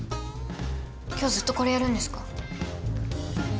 今日ずっとこれやるんですか？